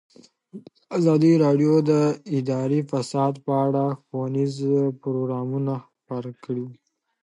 ازادي راډیو د اداري فساد په اړه ښوونیز پروګرامونه خپاره کړي.